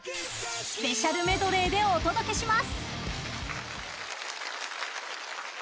スペシャルメドレーでお届けします。